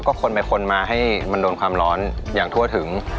ก็คนไปคนมาให้มันโดนความร้อนอย่างทั่วถึง